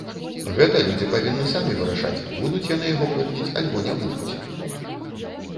Гэта людзі павінны самі вырашаць, будуць яны яго помніць альбо не будуць.